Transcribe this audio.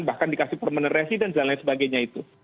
bahkan dikasih permanent residence dan lain sebagainya itu